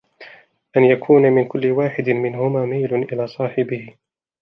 أَنْ يَكُونَ مِنْ كُلِّ وَاحِدٍ مِنْهُمَا مَيْلٌ إلَى صَاحِبِهِ